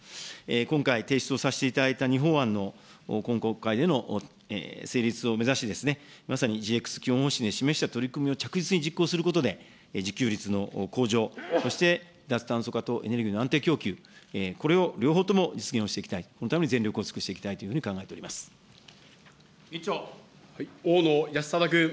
今回、提出をさせていただいた２法案の今国会での成立を目指して、まさにＧＸ基本方針で示した取り組みを着実に実行することで、自給率の向上、そして脱炭素化とエネルギーの安定供給、これを両方とも実現をしていきたい、そのために全力を尽くしていきたいとい大野泰正君。